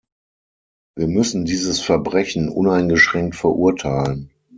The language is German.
Wir müssen dieses Verbrechen uneingeschränkt verurteilen.